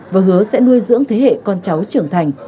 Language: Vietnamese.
và hứa sẽ nuôi dưỡng thế hệ con cháu trưởng thành